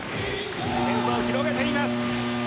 点差を広げています。